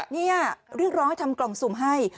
นี่เรียกร้องให้ทำกล่องสุ่มให้